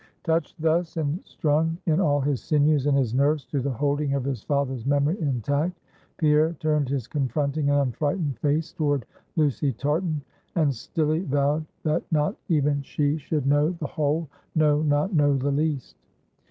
Touched thus, and strung in all his sinews and his nerves to the holding of his father's memory intact, Pierre turned his confronting and unfrightened face toward Lucy Tartan, and stilly vowed that not even she should know the whole; no, not know the least.